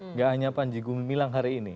nggak hanya panji gumilang hari ini